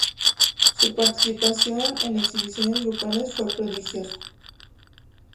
Su participación en exhibiciones grupales fue prodigiosa.